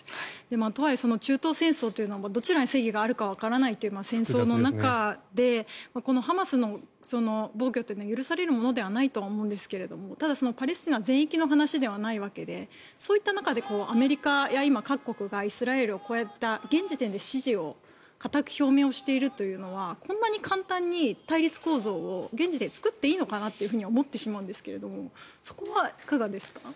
とはいえ、中東戦争というのはどちらに正義があるかわからないという戦争の中でこのハマスの暴挙というのは許されるものではないと思うんですがただ、パレスチナ全域の話ではないわけでそういった中でアメリカや今、各国がイスラエルをこうやって現時点で支持を固く表明しているというのはこんなに簡単に対立構造を現時点で作っていいのかなとは思ってしまうんですけどもそこはいかがですか。